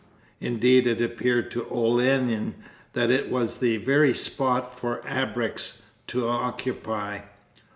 Indeed it appeared to Olenin that it was the very spot for ABREKS to occupy.